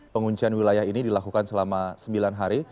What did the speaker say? penguncian wilayah ini dilakukan selama sembilan hari